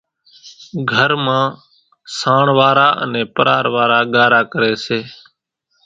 گھر مان سانڻ وارا انين ڀرار وارا ڳارا ڪري سي،